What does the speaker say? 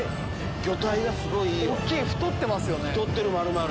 魚体がすごいいいよ。